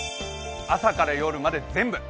朝から夜まで全部。